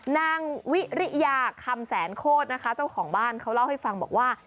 นางวิริยาคำแสนโคตรนะคะเจ้าของบ้านเขาเล่าให้ฟังบอกว่า